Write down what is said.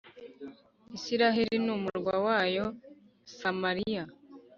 Israheli n’umurwa wayo, Samariya